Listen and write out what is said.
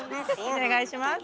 お願いします。